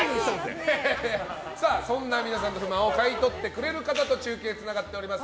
そんな皆さんの不満を買い取ってくれる方と中継がつながっております。